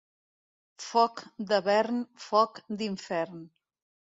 Foc de vern, foc d'infern.